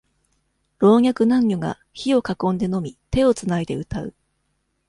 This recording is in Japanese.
老若男女が、火を囲んで飲み、手をつないで歌う。